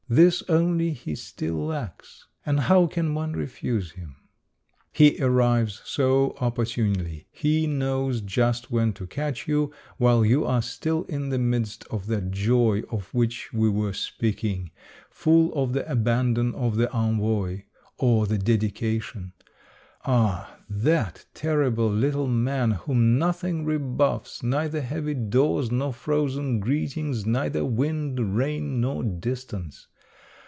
This only he still lacks. And how can one refuse him ? The Last Book, 241 He arrives so opportunely, he knows just when to catch you, while you are still in the midst of that joy of which we were speaking, full of the abandon of the Envoy or the Dedication. Ah ! that terrible little man, whom nothing rebuffs, neither heavy doors nor frozen greetings, neither wind, rain, nor distance.